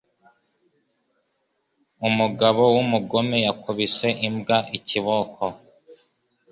Umugabo wumugome yakubise imbwa ikiboko.